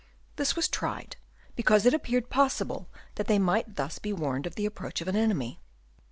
This was tried, because it appeared possible that they might thus be warned of the approach of an enemy.